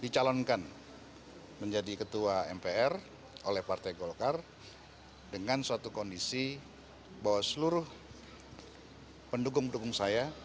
dicalonkan menjadi ketua mpr oleh partai golkar dengan suatu kondisi bahwa seluruh pendukung pendukung saya